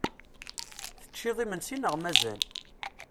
Teččiḍ imensi neɣ mazal?